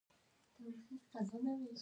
او مړه شوه